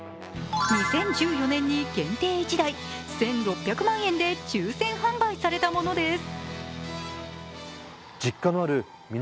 ２０１４年に限定１台１６００万円で抽選販売されたものです。